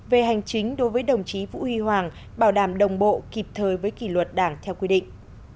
về hành chính đối với đồng chí vũ huy hoàng bảo đảm đồng bộ kịp thời với kỷ luật đảng theo quy định